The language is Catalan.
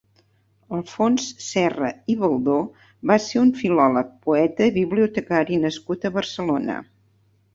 Alfons Serra i Baldó va ser un filòleg, poeta i bibliotecari nascut a Barcelona.